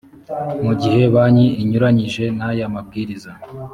mu gihe banki inyuranyije n aya mabwiriza